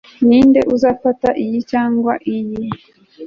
Ninde uzafata iyi cyangwa iyi